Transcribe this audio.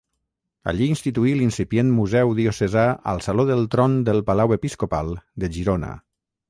Allí instituí l'incipient Museu Diocesà al Saló del Tron del Palau Episcopal de Girona.